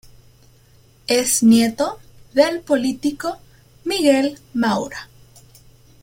Es nieto del político Miguel Maura.